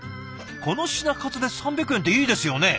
この品数で３００円っていいですよね。